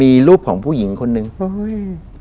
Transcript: มีรูปของผู้หญิงคนนึงอุ้ย